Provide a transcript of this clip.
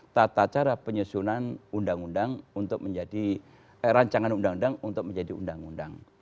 tata cara penyusunan undang undang untuk menjadi rancangan undang undang untuk menjadi undang undang